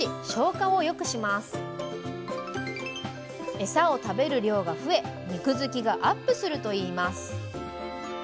エサを食べる量が増え肉づきがアップするといいます。